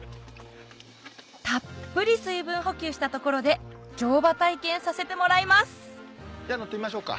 たっぷり水分補給したところで乗馬体験させてもらいますじゃあ乗ってみましょうか。